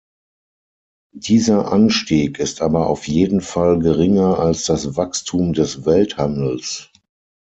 Dieser Anstieg ist aber auf jeden Fall geringer als das Wachstum des Welthandels.